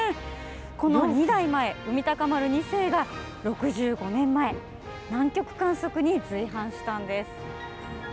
この２代前、海鷹丸２世が、６５年前、南極観測に随伴したんです。